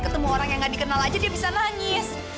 ketemu orang yang gak dikenal aja dia bisa nangis